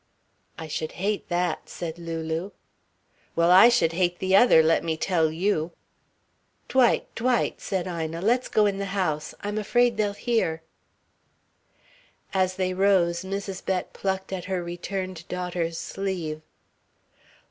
"I should hate that," said Lulu. "Well, I should hate the other, let me tell you." "Dwight, Dwight," said Ina. "Let's go in the house. I'm afraid they'll hear " As they rose, Mrs. Bett plucked at her returned daughter's sleeve.